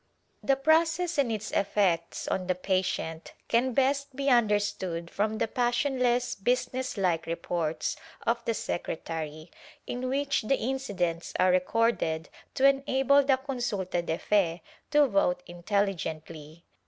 The process and its effects on the patient can best be under stood from the passionless business like reports of the secretary, in which the incidents are recorded to enable the consulta de fe to vote intelligently.